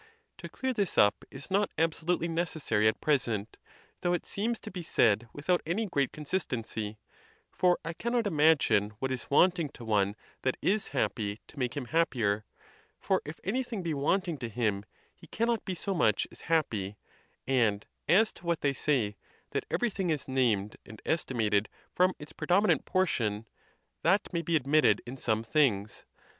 To clear this up is not absolutely necessary at present, though it seems to be said without any great consistency; for I cannot imagine what is wanting to one that is happy to make him happier, for if anything be wanting to him, he cannot be so much as happy; and as to what they say, that everything is named and estimated from its predominant portion, that may be admitted in some things.